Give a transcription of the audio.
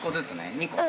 ２個？